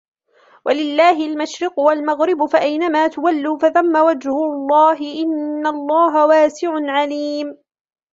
وَلِلَّهِ الْمَشْرِقُ وَالْمَغْرِبُ فَأَيْنَمَا تُوَلُّوا فَثَمَّ وَجْهُ اللَّهِ إِنَّ اللَّهَ وَاسِعٌ عَلِيمٌ